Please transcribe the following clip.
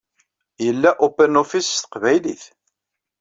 Yella OpenOffice s teqbaylit.